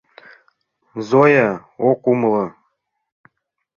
— Зоя ок умыло.